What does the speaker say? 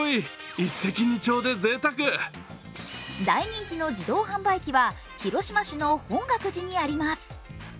大人気の自動販売機は広島市の本覚寺にあります。